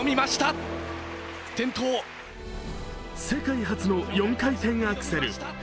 世界初の４回転アクセル。